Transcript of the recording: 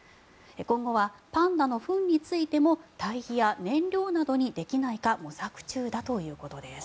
今後はパンダのフンについてもたい肥や燃料などにできないか模索中だということです。